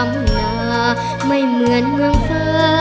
ลาไม่เหมือนเมืองเฟอร์